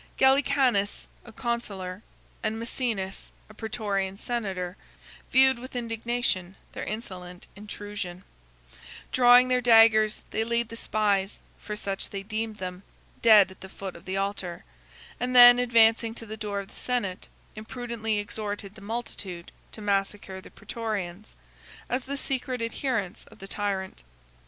Gallicanus, a consular, and Mæcenas, a Prætorian senator, viewed with indignation their insolent intrusion: drawing their daggers, they laid the spies (for such they deemed them) dead at the foot of the altar, and then, advancing to the door of the senate, imprudently exhorted the multitude to massacre the Prætorians, as the secret adherents of the tyrant.